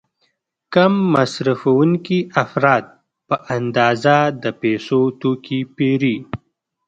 کم مصرفوونکي افراد په اندازه د پیسو توکي پیري.